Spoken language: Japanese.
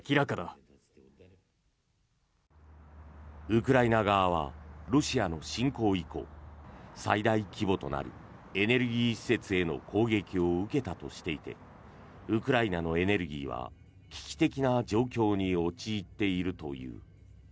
ウクライナ側はロシアの侵攻以降最大規模となるエネルギー施設への攻撃を受けたとしていてウクライナのエネルギーは危機的な状況に陥っているという。